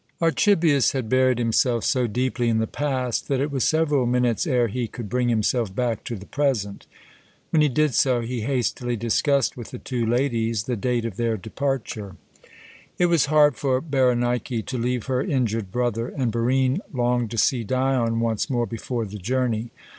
Archibius had buried himself so deeply in the past that it was several minutes ere he could bring himself back to the present. When he did so, he hastily discussed with the two ladies the date of their departure. It was hard for Berenike to leave her injured brother, and Barine longed to see Dion once more before the journey.